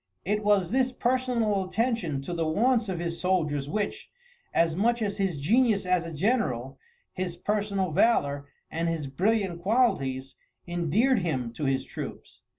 It was this personal attention to the wants of his soldiers which, as much as his genius as a general, his personal valour, and his brilliant qualities, endeared him to his troops.